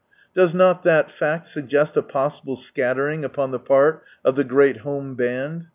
(Does not that fact suggest a possible scattering upon the part of the great home band